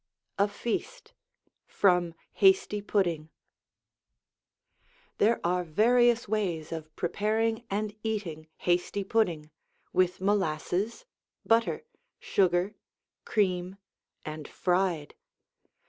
A FEAST From 'Hasty Pudding' There are various ways of preparing and eating Hasty Pudding, with molasses, butter, sugar, cream, and fried.